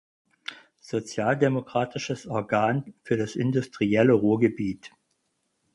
Sozialdemokratisches Organ für das industrielle Ruhrgebiet.